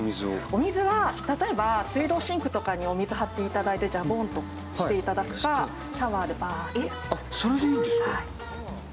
お水は例えば水道シンクとかにお水を張っていただいてジャボンとしていただくか、シャワーでバーッと。